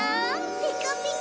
ピカピカ！